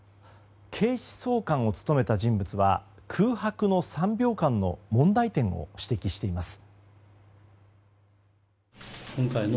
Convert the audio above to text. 警視総監を務めた人物は空白の３秒間の問題点を指摘しています。